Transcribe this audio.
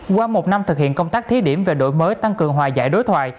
qua một năm thực hiện công tác thí điểm về đổi mới tăng cường hòa giải đối thoại